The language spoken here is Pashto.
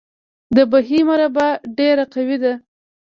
د بهي مربا ډیره مقوي ده.